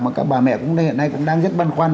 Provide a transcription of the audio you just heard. mà các bà mẹ hiện nay cũng đang rất băn khoăn